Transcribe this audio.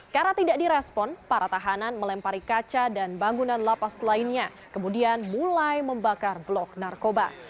karena tidak direspon para tahanan melempari kaca dan bangunan lapas lainnya kemudian mulai membakar blok narkoba